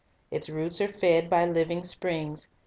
Its roots are fed by living springs.